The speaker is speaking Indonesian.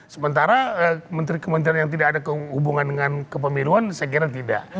sementara kementerian kementerian yang tidak ada hubungan dengan kepemiluan saya kira tidak